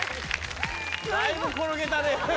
だいぶ転げたね。